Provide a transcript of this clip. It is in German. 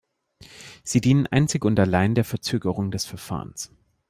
Sie dienen einzig und allein der Verzögerung des Verfahrens.